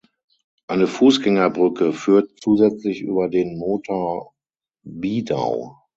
Eine Fußgängerbrücke führt zusätzlich über den Mota Bidau.